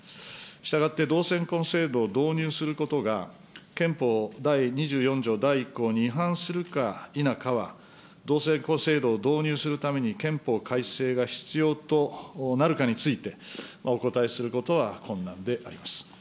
したがって、同性婚制度を導入することが憲法第２４条第１項に違反するか否かは、同性婚制度を導入するために憲法改正が必要となるかについて、お答えすることは困難であります。